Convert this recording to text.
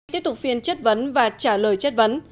tiếp tục phiên chất vấn và trả lời chất vấn